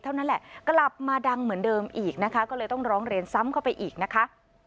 เท่านั้นแหละกลับมาดังเหมือนเดิมอีกนะคะก็เลยต้องร้องเรียนซ้ำเข้าไปอีกนะคะ